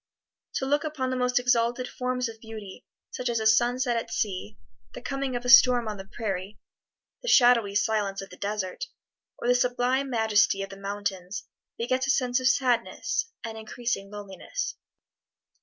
To look upon the most exalted forms of beauty, such as a sunset at sea, the coming of a storm on the prairie, the shadowy silence of the desert, or the sublime majesty of the mountains, begets a sense of sadness, an increasing loneliness.